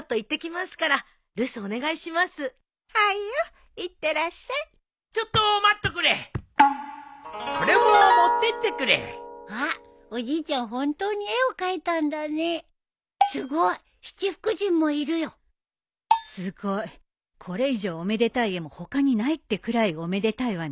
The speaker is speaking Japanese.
すごいこれ以上おめでたい絵も他にないってくらいおめでたいわね。